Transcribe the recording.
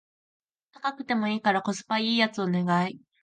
高くてもいいからコスパ良いやつお願い